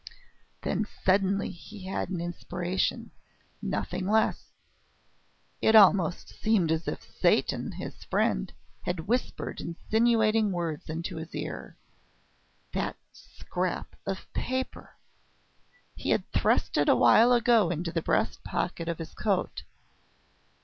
Then suddenly he had an inspiration nothing less! It almost seemed as if Satan, his friend, had whispered insinuating words into his ear. That scrap of paper! He had thrust it awhile ago into the breast pocket of his coat.